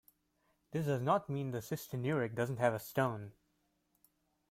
This does not mean the cystinuric doesn't have a stone.